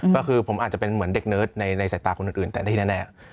ก็คือผมอาจจะเป็นเหมือนเด็กเนิร์ดในสายตาคนอื่นแต่ที่แน่